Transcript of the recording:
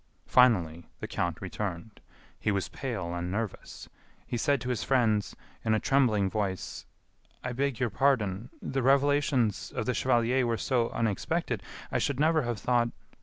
Finally, the count returned. He was pale and nervous. He said to his friends, in a trembling voice: "I beg your pardon.... the revelations of the chevalier were so unexpected....I should never have thought...."